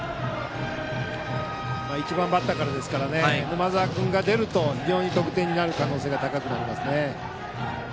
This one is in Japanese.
１番バッターからですから沼澤君が出ると非常に得点になる可能性が高くなります。